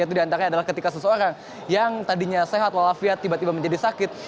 itu diantaranya adalah ketika seseorang yang tadinya sehat walafiat tiba tiba menjadi sakit